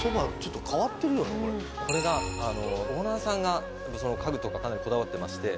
これがオーナーさんが家具とかかなりこだわってまして。